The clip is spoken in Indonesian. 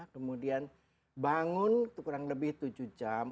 kemudian bangun kurang lebih tujuh jam